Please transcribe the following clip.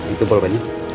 itu boleh pak